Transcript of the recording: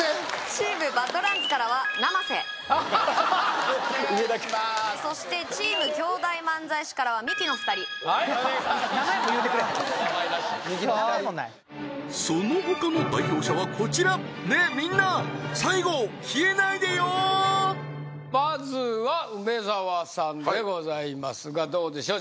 チームＢＡＤＬＡＮＤＳからは生瀬ははははっ上だけそしてチーム兄弟漫才師からはミキの２人はいお願いします名前も言うてくれんクソ名前もないそのほかの代表者はこちらねえみんな最後消えないでよまずは梅沢さんでございますがどうでしょう？